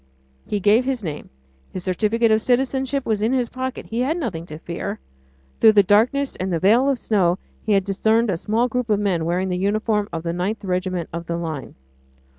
He gave his name. His certificate of citizenship was in his pocket; he had nothing to fear. Through the darkness and the veil of snow he had discerned a small group of men wearing the uniform of the 9th Regiment of the Line.